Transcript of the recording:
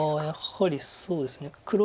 やはりそうですね。